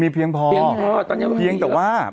เพียงแต่ว่า